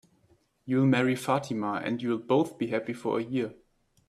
You'll marry Fatima, and you'll both be happy for a year.